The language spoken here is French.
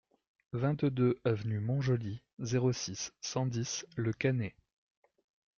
vingt-deux avenue Mont-Joli, zéro six, cent dix Le Cannet